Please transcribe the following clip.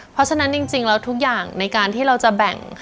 เพราะฉะนั้นจริงแล้วทุกอย่างในการที่เราจะแบ่ง